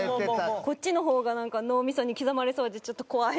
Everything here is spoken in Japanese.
こっちの方がなんか脳みそに刻まれそうでちょっと怖い。